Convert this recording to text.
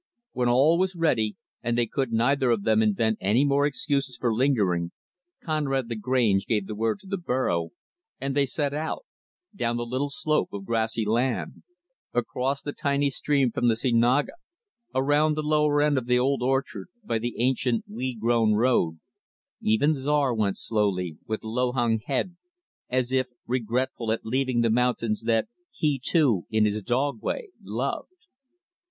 When all was ready, and they could neither of them invent any more excuses for lingering, Conrad Lagrange gave the word to the burro and they set out down the little slope of grassy land; across the tiny stream from the cienaga; around the lower end of the old orchard, by the ancient weed grown road even Czar went slowly, with low hung head, as if regretful at leaving the mountains that he, too, in his dog way, loved.